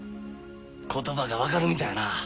言葉が分かるみたいやなあ